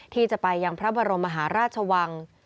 ที่จะไปยังพระบรมมหาราชวัง